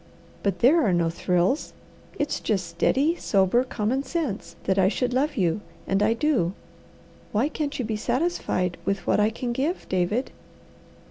But there are no thrills; it's just steady, sober, common sense that I should love you, and I do. Why can't you be satisfied with what I can give, David?"